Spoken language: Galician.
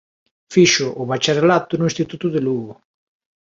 Fixo o bacharelato no Instituto de Lugo.